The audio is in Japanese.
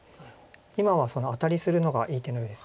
今はアタリするのがいい手のようです。